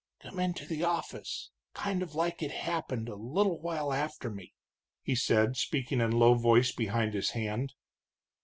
"Come into the office, kind of like it happened, a little while after me," he said, speaking in low voice behind his hand.